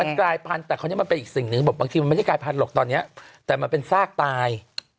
มันกลายพันธุ์แต่คราวนี้มันเป็นอีกสิ่งหนึ่งบอกบางทีมันไม่ได้กลายพันธุหรอกตอนเนี้ยแต่มันเป็นซากตาย